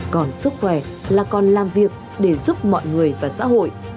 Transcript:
còn sức khỏe là còn làm việc để giúp mọi người và xã hội